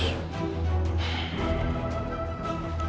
baik pak kades